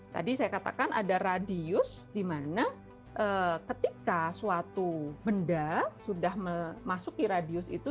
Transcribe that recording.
tadi saya katakan ada radius di mana ketika suatu benda sudah memasuki radius itu